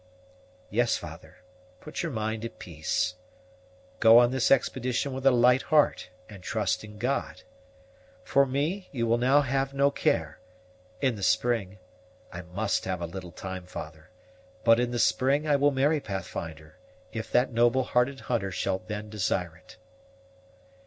"Yes, father, put your mind at peace; go on this expedition with a light heart, and trust in God. For me you will have now no care. In the spring I must have a little time, father but in the spring I will marry Pathfinder, if that noble hearted hunter shall then desire it."